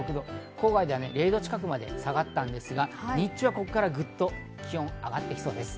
郊外では０度近くまで下がったんですが、日中はここからぐっと気温が上がってきそうです。